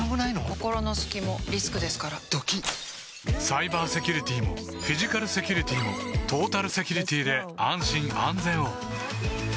心の隙もリスクですからドキッサイバーセキュリティもフィジカルセキュリティもトータルセキュリティで安心・安全を